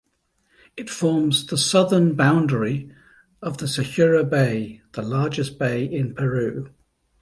It forms the southern boundary of the Sechura Bay, the largest bay in Peru.